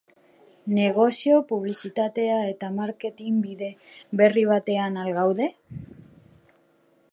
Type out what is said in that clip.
Negozio, publizitate eta marketing bide berri batean al gaude?